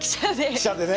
汽車でね。